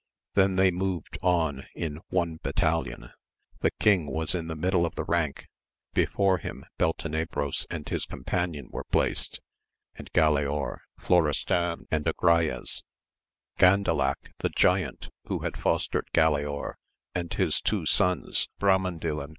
Then they moved on in one battalion : the king was in the middle of the rank, before him Beltenebros and his companion were placed, and Galaor, Florestan, and Agrayes ; Gandalac, the giant who had fostered Galaor, and his two sons, Bramandil and 54 AMADIS OF GAUL.